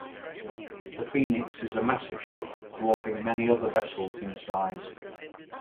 The Phoenix is a massive ship, dwarfing many other vessels in size.